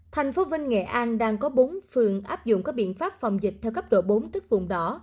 thành phố vinh nghệ an đang có bốn phường áp dụng các biện pháp phòng dịch theo cấp độ bốn tức vùng đỏ